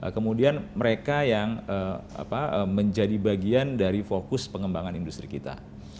kemudian mereka yang menjadi bagian dari fokus pengembangan industri kita